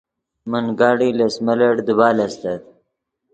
مو گھڑی لس ملٹ دیبال استت